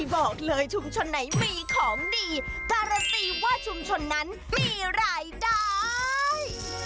บอกเลยชุมชนไหนมีของดีการันตีว่าชุมชนนั้นมีรายได้